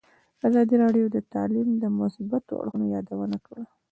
ازادي راډیو د تعلیم د مثبتو اړخونو یادونه کړې.